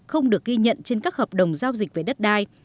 không được ghi nhận trên các hợp đồng giao dịch về đất đai